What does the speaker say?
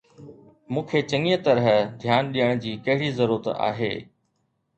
مون کي چڱيءَ طرح ڌيان ڏيڻ جي ڪهڙي ضرورت آهي؟